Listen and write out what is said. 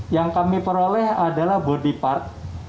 yang kami peroleh adalah body part